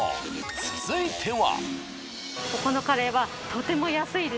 続いては。